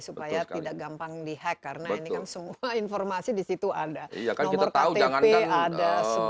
supaya tidak gampang dihack karena ini kan semua informasi di situ ada iya kan kita tahu jangan